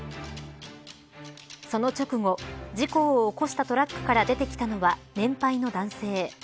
その直後事故を起こしたトラックから出てきたのは年配の男性。